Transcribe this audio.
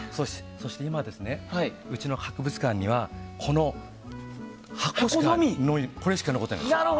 そして今、うちの博物館にはこの箱しか残ってないんです。